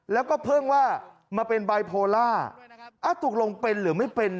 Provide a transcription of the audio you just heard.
แล้วก็เพิ่งว่ามาเป็นบายโพล่าตกลงเป็นหรือไม่เป็น